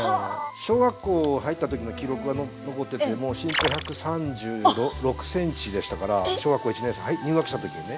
小学校入った時の記録が残っててもう身長１３６ｃｍでしたから小学校１年生入学した時にね。